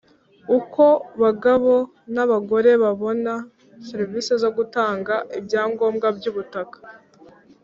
uko bagabo n abagore babona serivisi zo gutanga ibyangombwa by ubutaka